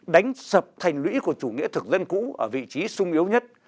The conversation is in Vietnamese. đánh sập thành lũy của chủ nghĩa thực dân cũ ở vị trí sung yếu nhất